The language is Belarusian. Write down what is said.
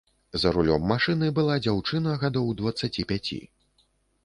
За рулём машыны была дзяўчына гадоў дваццаці пяці.